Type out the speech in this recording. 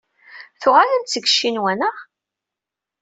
Tuɣalem-d seg Ccinwa, naɣ?